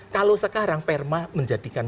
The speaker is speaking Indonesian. kalau sekarang perma menjadikan